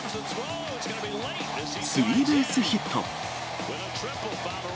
スリーベースヒット。